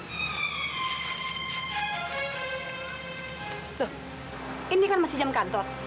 tuh ini kan masih jam kantor